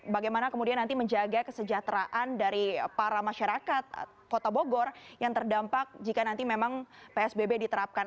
bagaimana kemudian nanti menjaga kesejahteraan dari para masyarakat kota bogor yang terdampak jika nanti memang psbb diterapkan